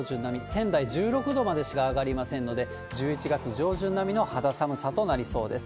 仙台１６度までしか上がりませんので、１１月上旬並みの肌寒さとなりそうです。